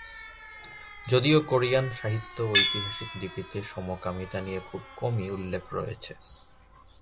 যদিও, কোরিয়ান সাহিত্যে ও ঐতিহাসিক লিপিতে সমকামিতা নিয়ে খুব কমই উল্লেখ রয়েছে।